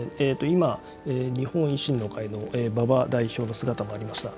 今、日本維新の会の馬場代表の姿もありました。